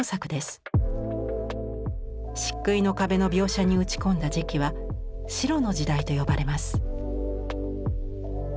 漆喰の壁の描写に打ち込んだ時期は「白の時代」と呼ばれます。